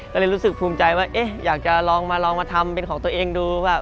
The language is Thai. ก็เลยรู้สึกภูมิใจว่าเอ๊ะอยากจะลองมาลองมาทำเป็นของตัวเองดูว่า